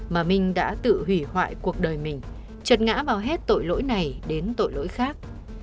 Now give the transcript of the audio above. mà minh đã tự hủy hoại cuộc đời mình chật ngã bao hết tội lỗi này đến tội lỗi khác